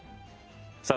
さあ